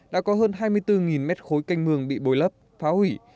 đã có hơn hai mươi bốn mét khối canh mường bị bồi lấp phá hủy